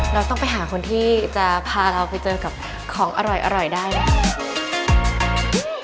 เราต้องไปหาคนที่จะพาเราไปเจอกับของอร่อยได้ไหมคะ